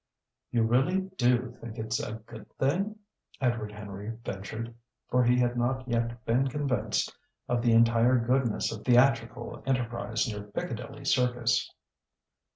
"You really do think it's a good thing?" Edward Henry ventured, for he had not yet been convinced of the entire goodness of theatrical enterprise near Piccadilly Circus.